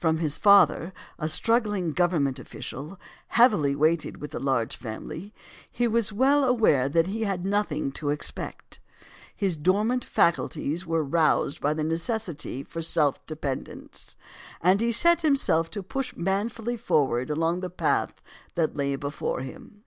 From his father, a struggling Government official, heavily weighted with a large family, he was well aware that he had nothing to expect; his dormant faculties were roused by the necessity for self dependence, and he set himself to push manfully forward along the path that lay before him.